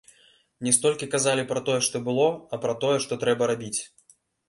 Не столькі казалі пра тое, што было, а пра тое, што трэба рабіць.